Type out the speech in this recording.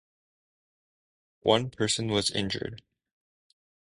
One person was injured.